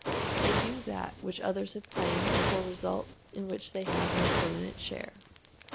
They do that which others have planned and for results in which they have no permanent share.